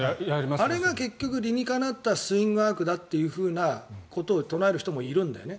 あれが結局、理にかなったスイングアークだと唱える人もいるんだよね。